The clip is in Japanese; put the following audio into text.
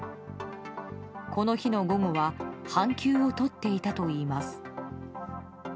この日の午後は半休を取っていたといいます。